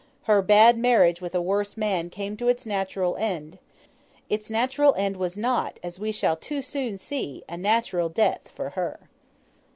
Her bad marriage with a worse man came to its natural end. Its natural end was not, as we shall too soon see, a natural death for her.